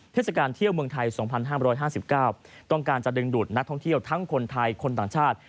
เทศกาลเที่ยวเมืองไทย๒๕๕๙ต้องการจะดึงดูดนักท่องเที่ยวทั้งคนไทยคนต่างชาติ